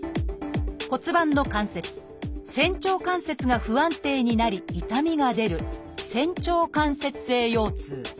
骨盤の関節「仙腸関節」が不安定になり痛みが出る「仙腸関節性腰痛」。